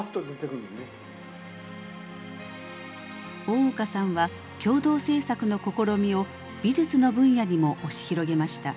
大岡さんは共同制作の試みを美術の分野にも押し広げました。